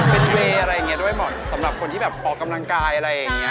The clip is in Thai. เป็นเทรย์อะไรอย่างนี้ด้วยเหมาะสำหรับคนที่แบบออกกำลังกายอะไรอย่างนี้